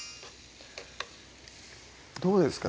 どうですか？